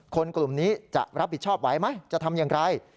กลุ่มนี้จะรับผิดชอบไหวไหมจะทำอย่างไร